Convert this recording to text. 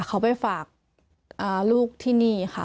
เขาไปฝากลูกที่นี่ค่ะ